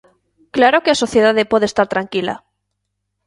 ¡Claro que a sociedade pode estar tranquila!